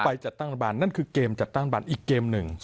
จัดตั้งรัฐบาลนั่นคือเกมจัดตั้งบันอีกเกมหนึ่ง